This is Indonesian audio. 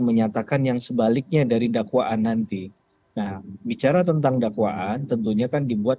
menyatakan yang sebaliknya dari dakwaan nanti nah bicara tentang dakwaan tentunya kan dibuat